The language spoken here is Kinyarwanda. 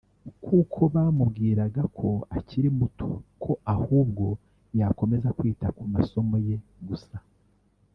kuko bamubwiraga ko akiri muto ko ahubwo yakomeza kwita ku masomo ye gusa